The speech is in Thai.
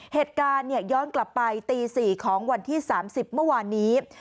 เหตุการณ์ย้อนกลับไปตี๔ของวันที่๓๐เมื่อวานนี้